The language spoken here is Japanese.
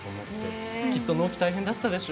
きっと納期大変だったでしょ。